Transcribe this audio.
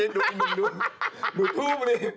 รูปมันงดเป็นเนี่ย